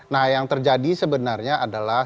nah yang terjadi sebenarnya adalah